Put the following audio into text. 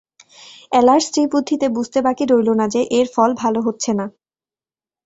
এলার স্ত্রীবুদ্ধিতে বুঝতে বাকি রইল না যে, এর ফল ভালো হচ্ছে না।